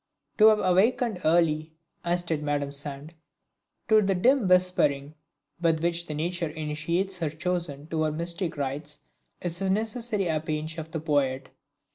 To have awakened early, as did Madame Sand, to the dim whispering with which nature initiates her chosen to her mystic rites, is a necessary appanage of the poet.